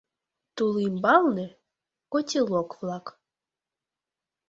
Тул ӱмбалне — котелок-влак.